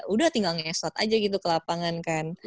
udah tinggal ngesot aja gitu ke lapangan kan